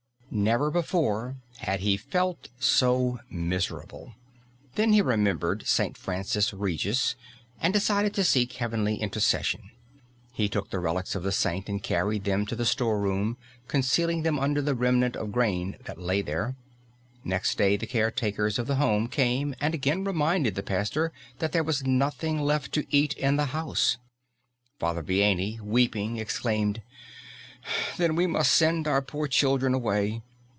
Never before had he felt so miserable. Then he remembered St. Francis Regis and deciding to seek heavenly intercession, he took the relics of the saint and carried them to the store room, concealing them under the remnant of grain that lay there. Next day the caretakers of the home came and again reminded the pastor that there was nothing left to eat in the house. Father Vianney, weeping, exclaimed: "Then we must send our poor children away!"